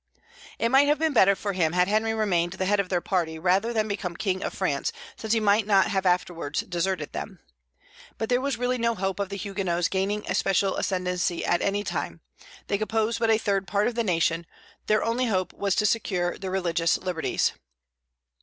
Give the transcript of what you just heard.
It might have been better for them had Henry remained the head of their party rather than become King of France, since he might not have afterwards deserted them. But there was really no hope of the Huguenots gaining a political ascendency at any time; they composed but a third part of the nation; their only hope was to secure their religious liberties.